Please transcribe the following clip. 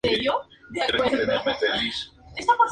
Está tallado en una roca con formas muy irregulares.